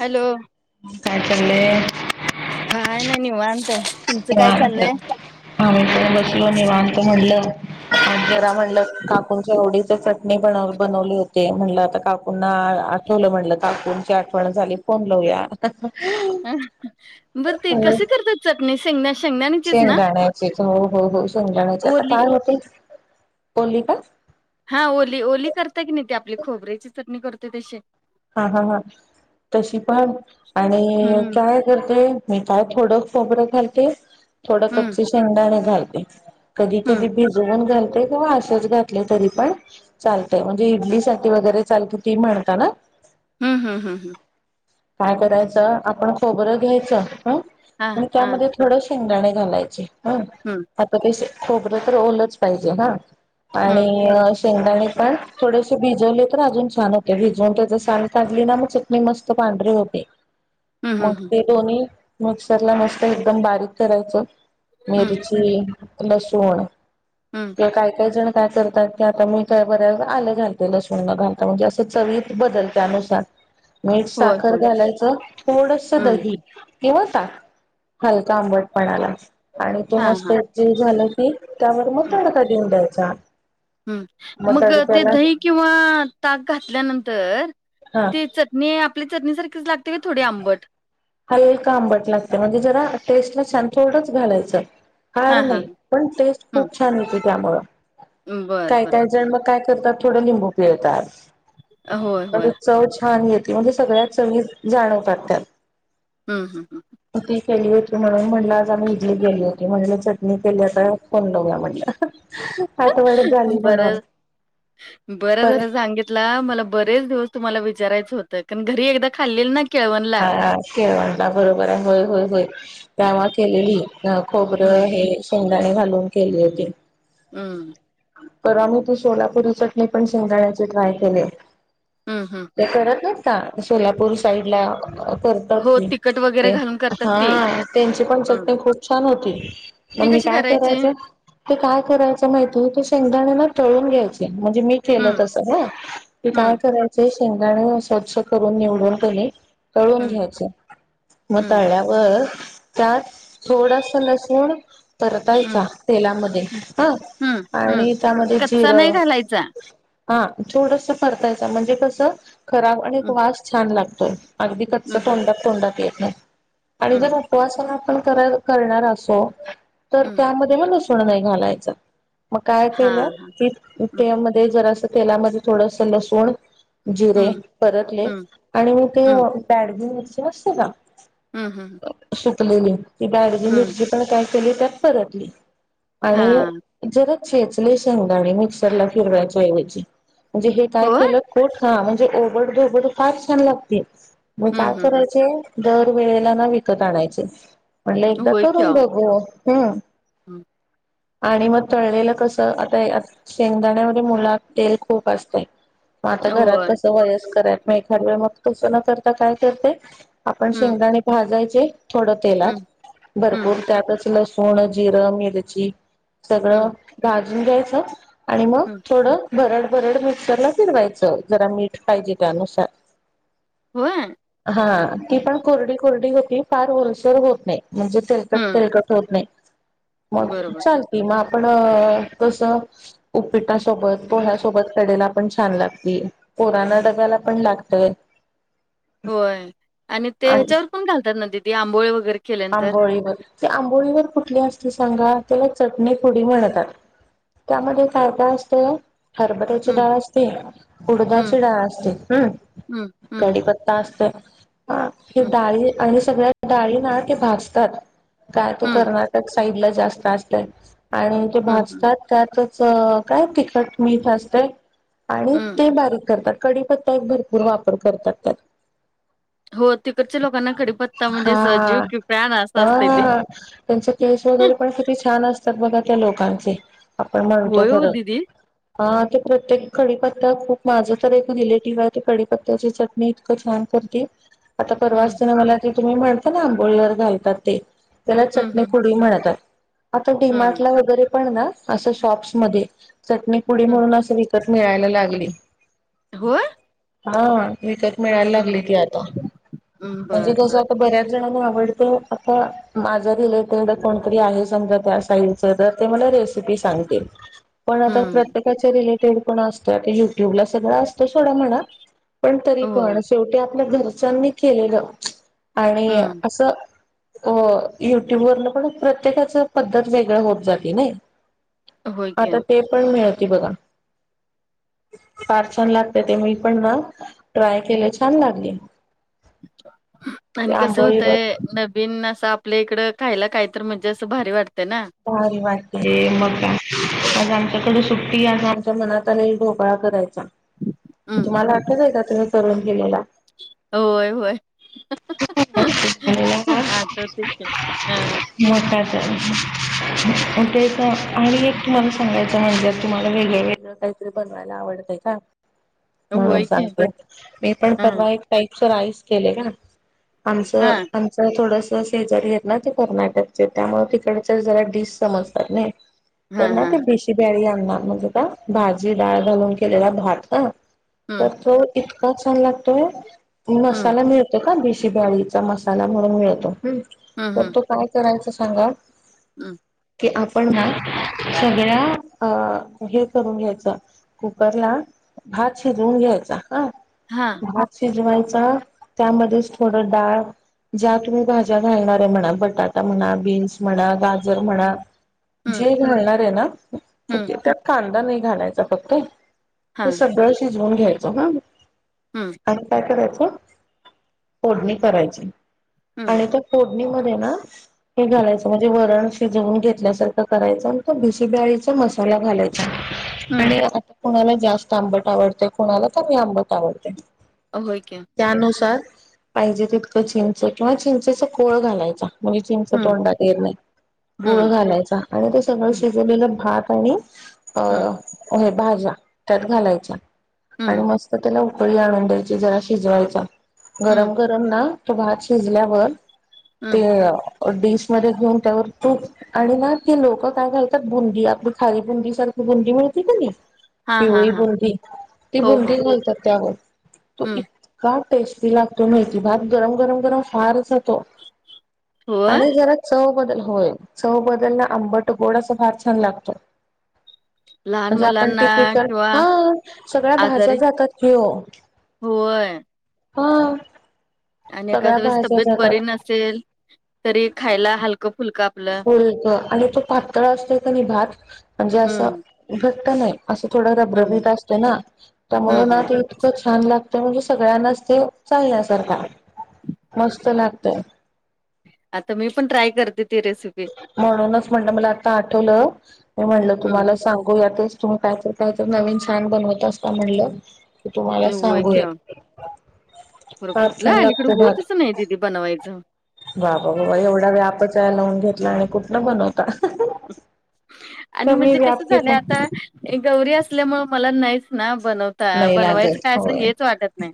Hello, काय चालय. काय नाही निवांत आहे. तुमचं काय हात्या चाललंय [inaudible] आम्ही पण बसलो निवांत म्हणल जरा म्हणल काकूच्या आवडीचच ब बनवले होते म्हटलं आता काकूंना आठवलं म्हणलं काकूंची आठवण झाली फोन लावुया. बरं [unintelligible] ते हो कसे करतात चटणी शेंगदा शेंगदाणीचीच ना शेंगदाण्याचे हो हो हो शेंगदाण्याचे आता ओली काय होते. बोलली का? हा ओली ओली करताय की नाही ते आपली खोबऱ्याची चटणी करते तशी हा हा हा तशी पण आणि हम्म काय ते मी काय थोडं खोबरं घालते. थोडं हम्म कच्च शेंगदाणे घालते. कधी हम्म कधी भिजवून घालते. असेच घातले तरी पण चालतय म्हणजे इडली सा वगैरे चालते ती म्हणता ना. हं हं हं हं काय करायचं आपण खोबरं घ्यायचं ह हा आणि हा त्यामध्ये थोडं शेंगदाणे घालायचे ह हं आता ते खोबरं तर ओलंच पाहिजे हा आणि हम्म शेंगदाणे पण थोडेसे भिजवले तर अजून छान होते भिजवून त्या साल काढली ना मग चटणी मस्त पांढरे होते.... हम्म मग हम्म ते दोन्ही मिक्सर ला मस्त एकदम बारीक करायचं..... हम्म मिरची, लसूण, हं किंवा काही काही जण काय करतात की आता मी काय बऱ्या आलं घालते लसूणला घालता म्हणजे असं चवीत बदल त्यानुसार मीठ, होय साखर होय घालायचं थोडसंच हम्म दही किंवा ताक हलका आंबटपणाला आणि तो हा हा मस्त ज झालं त्यावर मग तडका देऊन द्यायचा. ह मग ते दही किंवा ताक घातल्यानंतर हा ते च नाही आपली चरणीसारखीच लागते का थोडी आंबट हलका आंबट लागते म्हणजे जरा टेस्टला छान थोडंच घालायचं हा फार हा नाही. पण टेस्ट खूप छान होेत त्यामुळ हम्म बर काय बर काही जण मग काया करतात थोड लिंबू पिळतात होय होय च छान य ते म्हणजे सगळ्यात चग जाणवतहतात. हं हं ह ती केली होती म्हणून म्हणलं आज आम्ही इडली गेली होती म्हणले चटणी केली होता फोन लावला म्हणलं ह बरं बरं परत झाल सांगित मला बरेच दिवस तुम्हाला विचारायचं होतं कारण घरी एकदा खाल्ले ना, केळवणला हा केळणला बरोबर आहे होय होय होय. त्याव केलेली अ खोबरं हम्म हे शेंगदाणे घालून केली होती. हम्म तर आम्ही ती सोलापुरी चटणी... पण शेंगदाण्याची ट्राय केलीये हम्म हम्म हम्म ते करत नाहीत का? सोलापूर साईडला कर करतात हो तिखट वगैरे ते... घालून करतात ती हा... त्यांची पण हम्म चटणी खूप छान होती मग ती मी कशी काय करायची करायचं? ते काय करायचं माहितीए... ते शेंगदाणे ना... तळून घ्यायचे. म्हणजे मी केलं हम्म तसं ना? ते काय हम्म करायचे... शेंगदाणे स्वच्छ करून निवडून की नई तळून हम्म घ्यायचे... मग हम्म तळल्यावर... त्यात थोडासा लसूण परतायचा... हम्म तेलामध्ये... हा आणि त्यामध्ये जिरं जा हा... थोडसं परतायचं... म्हणजे कसं खराब आणि हम्म वास छान लागतोय अगदी कच्च हम्म तोंडात, तोंडात येत नाही.... आणि जर हम्म आप उपवास पण आपण कर... करणार असो... तर हम्म त्यामध्ये मग लसूण नाही घालायचा मग काय हा केलं, की हम्म त्यामध्ये जरासं तेलामध्ये, थोडसं लसूण जिरे हम्म परतले हम्म आणि मग ती हम्म बॅडगी मिरची नसते का? हुं.. हुं सुकलेली... ती बॅडगी मिरची पण काय केली... तर परतली हा आणि जरा चेचले शेंगदाणे मिक्सरला फिरवायच्याऐवजी... म्हणजे हे काय हो केलं? कूट हा... म्हणजे ओबड दोबड फार छान लागते... मग हम्म काय हम्म हम्म करायचे दरवेेळेला ना विकत आणायचे... म्हणटले एकदा करून बघू... हुं हम्म आणि मग तळलेलं कसं... आता हे असं शेंगदाण्यामध्ये मुलात तेल खूप असतय मग आता घरात होय कसं वयस्कर हेत... मग एखाद वेळा... तसं न करता काय करते आपण हम्म शेंगदाणे भाजायचे... थोडं तेलात.. हम्म भरपूर हम्म त्यातच लसूण, जिरं, मिरची सगळं हम्म भाजून घ्यायचं आणि मग हम्म थोडं, भरड भरड मिक्सरला फिरवायचं जरा मीठ पाहिजे त्यानुसार होय? हा... ती पण कोरडी कोरडी होती, फार ओलसर होत नाई म्हणजे तेलकट, हं, तेलकट होत नाई... मग बरोबर. चाल किंवा... आपण कसं? उपीटासोबत, पोह्यासोबत, कडेला पण छान लागती. पोरांना डब्याला पण लाग [unintelligible] होय... आणि ते ह्याच्यावर पण घालतात ना दिदी... आंबोळे वगैरे केल्यानंतर? आंबोळीवर... ती आंबोळीवर कुठली असती सांगा... त्याला हं, चटणीपुडी म्हणतात त्यामध्ये काय काय असतंय हरबऱ्याची हं, डाळ असते, हं, उडदाची डाळ असते, हम्म... हं, कढीपत् हं, कडीपत्ता असतोय... हा... ते हं, डाळी आणि सगळ्या डाळी ना ते भाजतात काय ते हं, कर्नाटक साईडला जास्त असतय, आणि ते हं, हं. भाजतात त्यातच काय तिखट मीठ असतय आणि हं. ते बारीक करतात, कडीपत्ता एक भरपूर वापर करतात त्यात हो... तिकडच्या लोकांना कडीपत्ता म्हणजेच जीव हा की प्राण असं असतंय ते. हा, त्यांचे केस वगैरे पण किती छान असतात... बघा त्या लोकांचे आपण म्हणतो होय ओ खरं दीदी? हा... ते प्रत्येक कडीपत्ता खूप... माझं तर एक रिलेटिव्ह आहे ते कडीपत्त्याचे चट मी इतकं छान करते आता परवा हं, असताना... मला ते तुम्ही म्हणता ना आंबोळीवर घालतात ते त्याला हं, चटणी हं, पुडी म्हणतात. आता हं, डीमार्टला वगैरे पण ना... असं शॉप्समधे चटणीपुडी हं. म्हणून... असं विकत मिळायला लागली. होय? हा, विकत मिळायला हं, लागलय की आता. हं. म्हणजे बरं, बरं, कसं बरं. आता बऱ्याच जणांना आवड आता माझ रिलेटेड कोणतरी आहे समजा त्या साईडच तर ते म्हण ते सांगतील, पण आता हं. प्रत्येक त्याच्या रिलेटेड पण असतय ते युट्यूब ला, सगळं असतो सोडा म्हणा. पण, तरी होय. पण शेवटी आपल्या घरच्यांनी केलेलं आणि हं. असं अ युट्यूब वरन पण, प्रत्येकाच पद्धत वेगळ होत जाते नाही? होय की. आता ते पण मिळते बघा. फार छान लागते ते, मी पण ना ट्राय केले छान लागले. ते आणि कस आंबोळीवर होतंय नक बिन असं आपल्या इकडं खायला काही तर, म्हणजे असं भारी वाटतं ना. भारी वाटते मग काय, आज आमच्याकडे सुट्टी आणि आमच्या मनात आणी ढोकळा कराय चा. हं. तुम्हाला आठवतय आहे का तुम्ही करून गेलेला? होय होय. हाता तेचा ह्म्म म काय तर उठेच नाही आणि एक तुम्हाला सांगायचं म्हणजे तुम्हाला वेगळ वेगळ काहीतरी बनवायला आवडतय का? हा होय की सांगते, मी पण हा परवा एक टाईपच राईस केलेला हा आमचं, आमचं थोडस शेजारी आहेत ना, ते कर्नाटकचे त्यामुळ तिकडं चल, जरा डिस समजतात ने हा तर ना हा ते डिश ति ब्यारी आणणार म्हजता भाजी डाळ घालून केलेला भात ह तर हम्म तो इतका छान लागतोय, हम्म मसाला मिळतो का बी शि बाळीचा मसाला म्हणून मिळतो, हम्म पण तो काय करायचा सांगा? ह्म्म. कि आपण ना सगळ्या अ हे करून घ्यायचं. कुकर ला भात शिजवून घ्यायचा हा. हा. भात शिजवायचा, त्यामध्येच थोडं डाळ ज्या तुम्ही भाज्या घालणार आहे म्हणा, बटाटा म्हणा, बीन्स म्हणा, गा जर म्हणा, हम्म जे घालणार आहे ना हम्म उटी तर कां तनी घालायचा फक्त हा सगळं शिजवून घ्यायचं ह. हम्म. आणि काय करायचं? फोडणी करायची हम्म आणि त्या फोड णी मध्ये ना, हे घालायच, म्हणजे वरण शिजवून घेतल्यासारखं करायच आणि तो भिशीब्याळीचा मसाला घालायचा हम्म आणि कुणाला जास्त आंबट आवडते. कोणाला कमी आंबट आवडते. अ होय की त्यानुसार पाहिजे तितकं चिंच किंवा चिंचेचा कोळ घालायचा. मुली चिंच हम्म तोंडा येनार गूळ हम्म घालायचा आणि ते सगळं हम्म शिजलेलं भात आणि हम्म अ भाज्या त्यात घालायचा आणि हम्म मस्त तर त्याला उकळी आणून द्यायची, जरा शिजवायचा गरम हम्म गरम ना तो भात शिजल्यावर ते हम्म डिश मध्ये घेऊन त्यावर तू आणि ना तेी लोकं काय करतात, बुंदी आपली खाली बुंदी सारखी बुंदी मिळते का नाही, हा हा पिवळी हा बुंदी. ती हो बुंदी हो घालतात त्यावर तो हम्म इत का टेस्टी लागतो मेथी भात, गरम- गरम, गरम फार अस तो होय आणि जरा चव बदल होय. चव बदलला आंबट गोड अस फार छान लागतो. लहान म्हणजे आपण मुलांना टिपीकल किंवा हा सगळ्या भाज्या आजारी जातात की ओ. होय. हा. आणि सगळ्या एखाद वेळेस भाज्या तब्येत जातात. बरी नसेल तरी खायला हलका फुलका. फुलकं आणि तो पातळ असतोय का नाही भात म्हणजे असं हम्म घट्ट नाही. असं थोडं हम्म रबरबीत असतं ना त्यामुळं हम्म ना हम्म ते इतक छान लागतं म्हणजे सगळ्यांनाच ते चालण्यासारखं आहे, मस्त लागतय. आता मी पण ट्राय करते ती रेसिप म्हणूनच म्हणलं मला आता आठवलं म म्हणलं हम्म तुम्हाला सांगू यातच तुम्ही काय तर कायत नवीन छान बनवत असता म्हणलं तुम्हाला नाही सांगूया. बर फार छान कुठलं अलीकडं लागतो होतच भात नाही दिदी बनवायचं. वा वा वा एवढा व्यापच या लावून घेतला आणि कुठला बनवता. आणि कमी म्हणजे कस व्याप्ती झालं आहे आता गौरी असल्यामुळे मला नाहीच ना बनवत. नाही लागत बनवायचं कायचं होय हेच वाटत नाही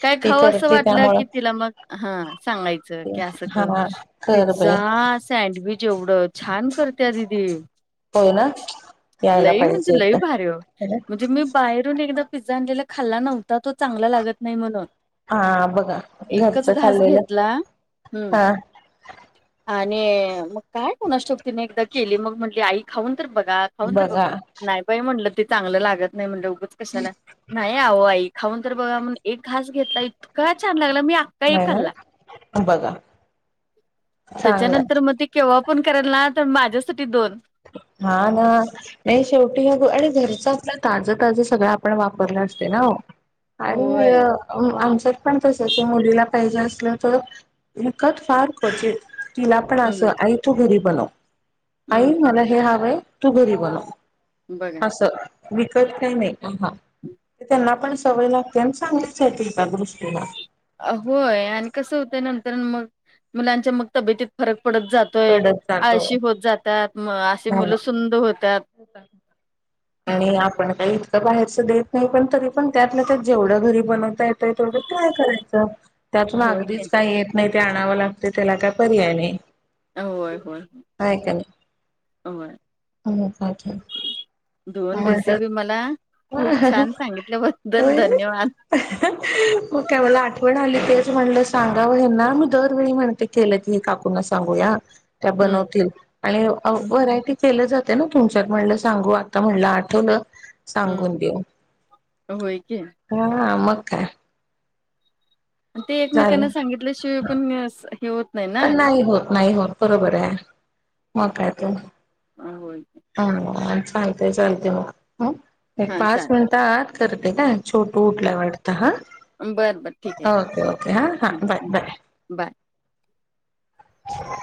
काय ती खाऊ असं करते वाटलं की त्यामुळं तिला मग. हा सांगायचं की असं क हा कर बाई पिझ्झा सँडविच एवढं. छान करत्या दिदी होय ना यायला लई पाहिजे म्हणजे लई भारी ओ एकदा म्हणजे. मी बाहेरून एकदा पिझ्झा आणलेला खाल्ला नव्हता तो चांगला लागत नाही म्हणून हा बघा एकच घरचं घास खाल्लेलं घेतला हम्म. हा आणि मग काय कोणाच ठाऊक तिने एकदा केली मग म्हंटली आई खाऊन तर बघा. खाऊन तर बघ बघा नाही बाई म्हटलं ते चांगलं लागत नाही म्हणलं उगच कशाला नाही आहो आई. खाऊन तर बघा म्हण एक घास घेतला इतका छान लागला मी एक नाही ना खाल्ला अ बघ त्याच्यानंतर मग ते केव्हा पण करायल ना तर माझ्यासाठी दोन. हा ना. नाही शेवटी ह आणि घरचं आपलं ताजं ताज सगळं आपण वापरलं असते नाओ. आणि. होय आमच्यात पण कसं ते मुलीला पाहिजे असलं तर विकत फार क्वचित. तिला पण हम्म असं आई तू घरी बनव. आई हम्म. मला हे हवं तू घरी बनव. बघा. वीकत काय नाही तेन्हा पण. सवय लागते आणि सांगितच आहेतील त्या दृष्टीला होय आणि कसं होतंय नंतर मग मुलांच्या मग तब्येतीत फरक पडत जातो. पडत जातो आळशी होत जातात म अशी मुलं सुंद होतात. हो का. आणि आपण काही इतकं बाहेरचं देत नाही पण तरी पण त्यात ना त्यात जेवढं घरी बनवताय. थोडं ट्राय करायचं. त्यातून होय की अगदीच काही येत नाही ते आणावं लागते त्याला काय पर्याय नाही. होय हो होय. हो पाठव. दोन रेसिपी मला खूप छान सांगितल्याबद्दल होय धन्यवाद. मग का मला आठवण आली तेच म्हणलं सांगावं हे ना मी दरवेळी म्हणते केलं. ही काकूना सांगूया त्या हम्म बनवतील. आणि हम्म व्हरायटी केलं जाते ना तुमच्यात म्हणलं सांगू आता म्हणलं आठवलं. हम्म सांगून देऊ होय की हा मग काय. ते जाईल एकमेकांना सांगितल्याशिवाय पणअसं हे होत पण नाही होत नाही होत बरोबर आहे मग काय त. अ होय. हा चालतेय चालते मग ह एक हा पाच चालेल मिनिटं आात करते काय. छोटू हा उठल्या वाटता हां बरं बरं ठीक आहे ओके ओके हां हां हं बाय हं बाय बाय. हो